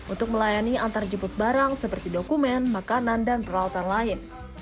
untuk melayani antarjemput barang seperti dokumen makanan dan peralatan lain